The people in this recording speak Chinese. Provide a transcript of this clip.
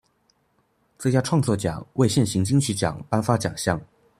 最佳创作奖为现行金曲奖颁发奖项。